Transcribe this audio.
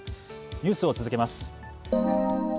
ニュースを続けます。